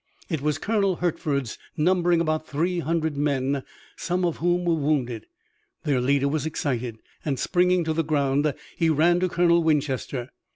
It was Colonel Hertford's, numbering about three hundred men, some of whom were wounded. Their leader was excited, and, springing to the ground, he ran to Colonel Winchester.